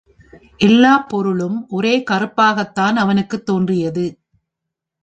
எல்லாப் பொருளும் ஒரே கறுப்பாகத் தான் அவனுக்குத் தோன்றியது.